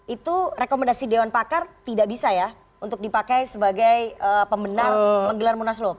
itu rekomendasi dewan pakar tidak bisa ya untuk dipakai sebagai pemenang menggelar munas lut